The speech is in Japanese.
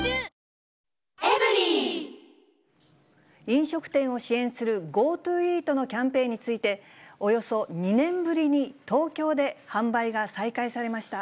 飲食店を支援するＧｏＴｏＥａｔのキャンペーンについて、およそ２年ぶりに東京で販売が再開されました。